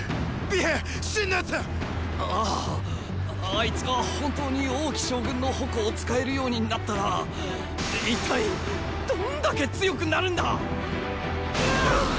あいつが本当に王騎将軍の矛を使えるようになったら一体どんだけ強くなるんだ⁉ぐぁーっ！